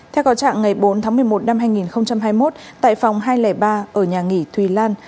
theo có trạng ngày bốn tháng một mươi một năm hai nghìn hai mươi một tại phòng hai trăm linh ba ở nhà nghỉ thùy lan